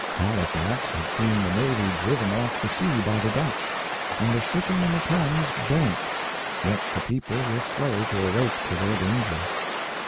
Halifax had seen the Navy driven off the sea by the Dutch, and the shipping in the Thames burnt, yet the people were slow to awake to their danger.